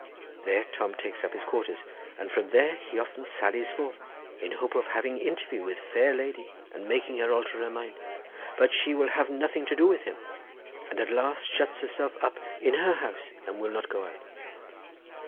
There Tom takes up his quarters, and from there he often sallies forth, in hope of having interview with fair lady and making her alter her mind, but she will have nothing to do with him, and at last shuts herself up in her house and will not go out.